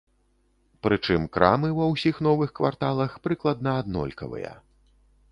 Прычым крамы ва ўсіх новых кварталах прыкладна аднолькавыя.